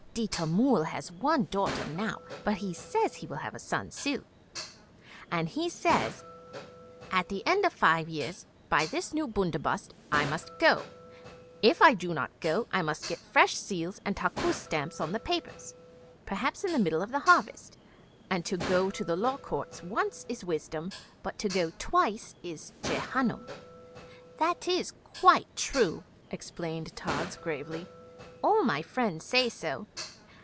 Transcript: Ditta Mull has one daughter now, but he says he will have a son soon. And he says, "At the end of five years, by this new bundobust, I must go. If I do not go, I must get fresh seals and takkus stamps on the papers, perhaps in the middle of the harvest, and to go to the law courts once is wisdom, but to go twice is Jehannum." 'That is quite true,' explained Tods gravely. 'All my friends say so.